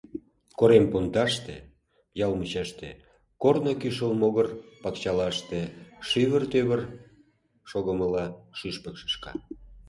Корем пундаште, ял мучаште, корно кӱшыл могыр пакчалаште, шӱвыр-тӱмыр шогымыла, шӱшпык шӱшка.